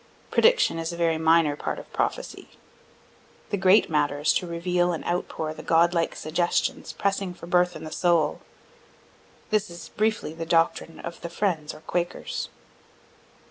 Prediction is a very minor part of prophecy. The great matter is to reveal and outpour the God like suggestions pressing for birth in the soul. This is briefly the doctrine of the Friends or Quakers.)